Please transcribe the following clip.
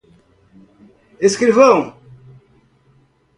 escrivão